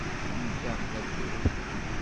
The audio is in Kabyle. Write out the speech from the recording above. Lli-aɣ tawwurt.